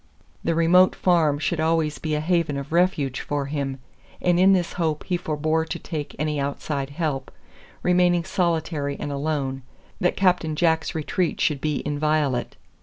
The remote farm should always be a haven of refuge for him, and in this hope he forbore to take any outside help, remaining solitary and alone, that Captain Jack's retreat should be inviolate.